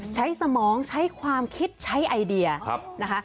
สมองใช้ความคิดใช้ไอเดียนะคะ